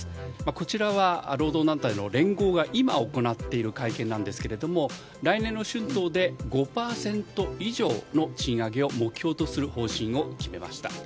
こちらは労働団体の連合が今、行っている会見なんですが来年の春闘で５％以上の賃上げを目標とする方針を決めました。